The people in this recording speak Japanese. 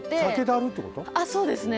あっそうですね。